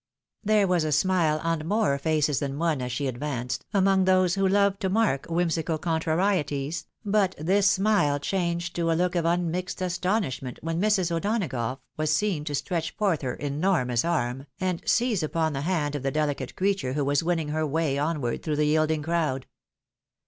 There was a smile on more faces than one, as she advanced, among those who love to mark whimsical contrarieties ; but this smile changed to a look of unmixed astonishment when Mrs. O'Donagough was seen to stretch forth her enormous arm, and seize upon the hand of the delicate creature who was winning her way onward through the yielding crowd.